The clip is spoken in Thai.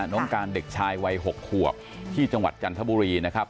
น้องการเด็กชายวัย๖ขวบที่จังหวัดจันทบุรีนะครับ